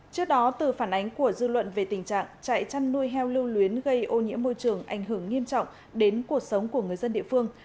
trước đó từ phản ánh của dư luận về tình trạng chạy chăn nuôi heo lưu luyến gây ô nhiễm môi trường ảnh hưởng nghiêm trọng đến cuộc sống của người dân địa phương